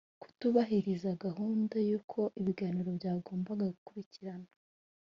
kutubahiriza gahunda y uko ibiganiro byagombaga gukurikirana